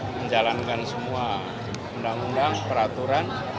menjalankan semua undang undang peraturan